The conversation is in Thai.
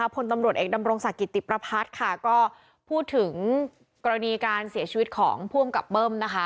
ผลตำรวจเอกดำรงศักดิ์ติประพัฒน์พูดถึงกรณีการเสียชีวิตของพ่วงกับเบิ้ม